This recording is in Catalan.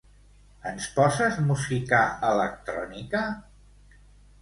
Ens poses música electrònica?